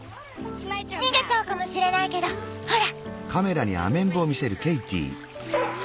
逃げちゃうかもしれないけどほら！